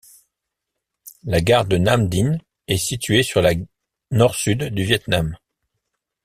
La gare de Nam Dinh est située sur la Nord-Sud du Viêt Nam.